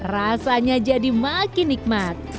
rasanya jadi makin nikmat